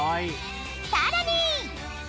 ［さらに］